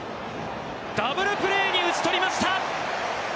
ダブルプレーに打ち取りました！